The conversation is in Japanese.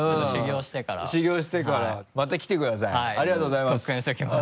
ありがとうございます。